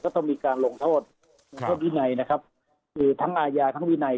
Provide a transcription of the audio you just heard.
ต้องมีการลงโทษลงโทษวินัยนะครับคือทั้งอาญาทั้งวินัย